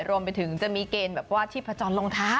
รวมไปถึงจะมีเกณฑ์แบบว่าชีพจรรองเท้า